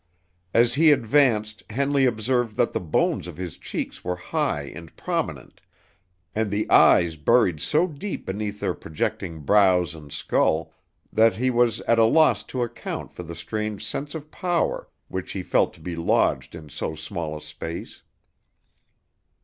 As he advanced Henley observed that the bones of his cheeks were high and prominent, and the eyes buried so deep beneath their projecting brows and skull, that he was at a loss to account for the strange sense of power which he felt to be lodged in so small a space.